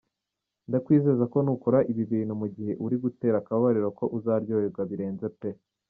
Ndakwizeza ko nukora ibi bintu mu gihe uri gutera akabariro ko uzaryoherwa birenze pe.